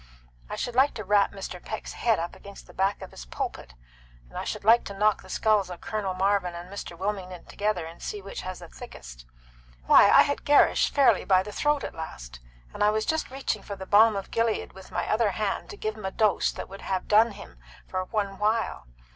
I should like to rap Mr. Peck's head up against the back of his pulpit, and I should like to knock the skulls of Colonel Marvin and Mr. Wilmington together and see which was the thickest. Why, I had Gerrish fairly by the throat at last, and I was just reaching for the balm of Gilead with my other hand to give him a dose that would have done him for one while!